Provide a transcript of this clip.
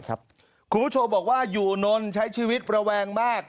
คุณผู้ชมบอกว่าอยู่นนใช้ชีวิตระแวงมาก